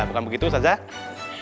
bukan begitu ustadz zubaida